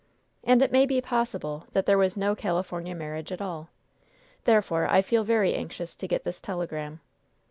And it may be possible that there was no California marriage at all. Therefore I feel very anxious to get this telegram."